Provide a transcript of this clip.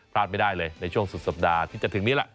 พลาดไม่ได้เลยในช่วงสุดสัปดาห์ที่จะถึงนี้แหละ